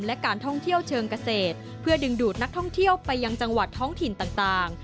และการท่องเที่ยวเชิงเกษตรเพื่อดึงดูดนักท่องเที่ยวไปยังจังหวัดท้องถิ่นต่าง